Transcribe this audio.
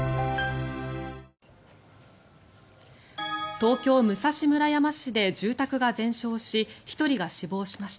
東京・武蔵村山市で住宅が全焼し１人が死亡しました。